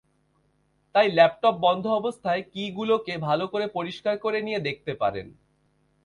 তাই ল্যাপটপ বন্ধ অবস্থায় কি-গুলোকে ভালো করে পরিষ্কার করে নিয়ে দেখতে পারেন।